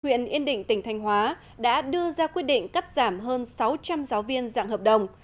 huyện yên định tỉnh thanh hóa đã đưa ra quyết định cắt giảm hơn sáu trăm linh giáo viên dạng hợp đồng